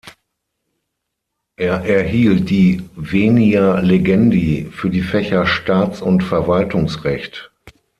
Er erhielt die "venia legendi" für die Fächer Staats- und Verwaltungsrecht.